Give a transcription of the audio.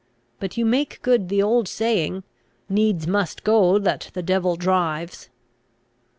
But you make good the old saying, 'Needs must go, that the devil drives.'"